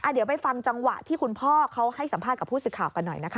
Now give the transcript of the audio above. เดี๋ยวไปฟังจังหวะที่คุณพ่อเขาให้สัมภาษณ์กับผู้สื่อข่าวกันหน่อยนะคะ